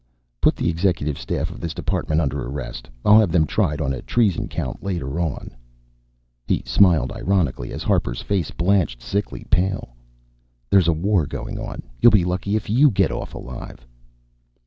"Put the executive staff of this department under arrest. I'll have them tried on a treason count, later on." He smiled ironically as Harper's face blanched sickly pale. "There's a war going on. You'll be lucky if you get off alive."